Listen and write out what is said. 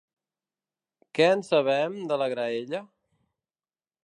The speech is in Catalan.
Què en sabem, de la graella?